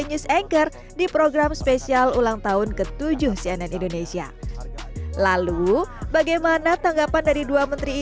news anchor di program spesial ulang tahun ke tujuh cnn indonesia lalu bagaimana tanggalnya di indonesia